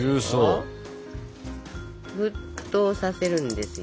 沸騰させるんですよ。